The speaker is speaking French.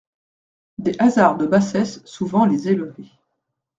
Des hasards de bassesse souvent les élevaient.